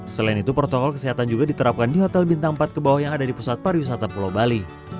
selain itu protokol kesehatan juga diterapkan di hotel bintang empat ke bawah yang ada di pusat pariwisata pulau bali